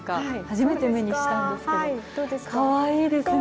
初めて目にしたんですけどかわいいですね。